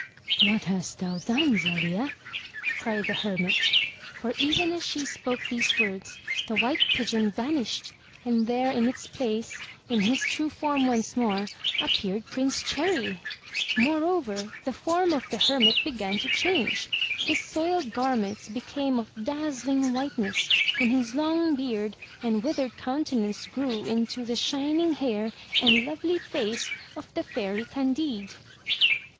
"What hast thou done, Zelia?'' cried the hermit, for even as she spoke these words the white pigeon vanished, and there in its place, in his true form once more, appeared Prince Cherry. Moreover, the form of the hermit began to change. His soiled garments became of dazzling whiteness and his long beard and withered countenance grew into the shining hair and lovely face of the Fairy Candide.